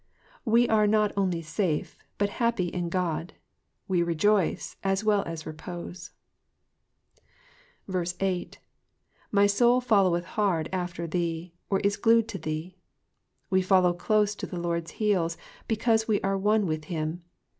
We are not only safe, but happy in God ;> we rejoice^ ^ as well as repose. 8. i/y soul foUoweth hard after thee,^^ or is glued to thee. We follow close at the Lord's heels, because we are one with him.